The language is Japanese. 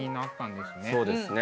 そうですね。